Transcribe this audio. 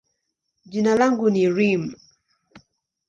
jina langu ni Reem.